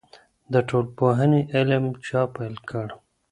د ټولنپوهنې علم چا پیل کړ؟